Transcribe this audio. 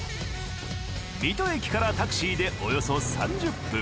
水戸駅からタクシーでおよそ３０分。